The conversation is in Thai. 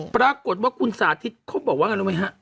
ปรากฏว่าคุณสาธิตเขาบอกว่าไงรู้ไหมฮะ